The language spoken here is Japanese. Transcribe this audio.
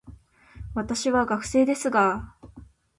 私は学生ですが、